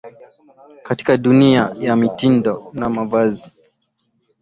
katika dunia ya mitindo na mavazi